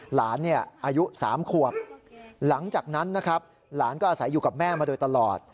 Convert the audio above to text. หลานอายุ๓ขวบหลังจากนั้นนะครับหลานก็อาศัยอยู่กับแม่มาโดยตลอด